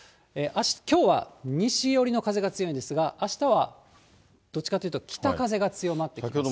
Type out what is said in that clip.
きょうは西寄りの風が強いんですが、あしたはどっちかというと、北風が強まってきます。